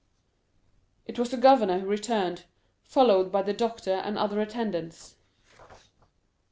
It was the governor who returned, followed by the doctor and other attendants.